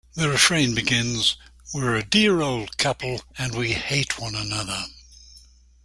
The refrain begins, We're a dear old couple and we hate one another.